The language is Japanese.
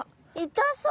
痛そう！